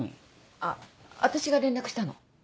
あ私が連絡したの。